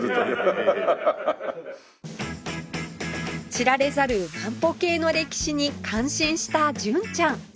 知られざる万歩計の歴史に感心した純ちゃん